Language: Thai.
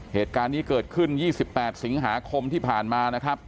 เหตุการณ์นี้เกิดขึ้น๒๘สิงหาคมที่ผ่านมานะครับ